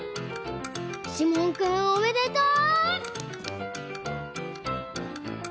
しもんくんおめでとう！